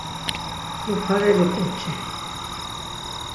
Upareli ǩoçi.